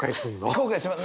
後悔します。